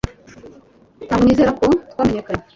Ntabwo nizera ko twamenyekanye